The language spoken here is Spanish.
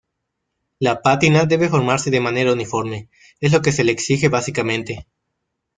La pátina debe formarse de manera uniforme, es lo que se le exige básicamente.